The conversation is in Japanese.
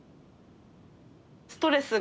ストレスが。